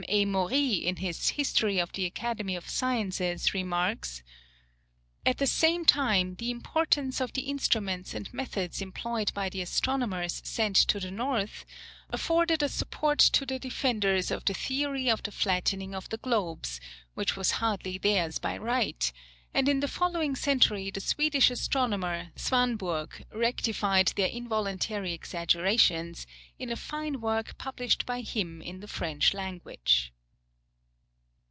A. Maury in his "History of the Academy of Sciences," remarks, "At the same time, the importance of the instruments and methods employed by the astronomers sent to the North, afforded a support to the defenders of the theory of the flattening of the globes, which was hardly theirs by right, and in the following century the Swedish astronomer, Svanburg, rectified their involuntary exaggerations, in a fine work published by him in the French language."